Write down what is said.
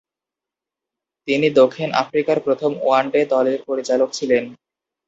তিনি দক্ষিণ আফ্রিকার প্রথম ওয়ানডে দলের পরিচালক ছিলেন।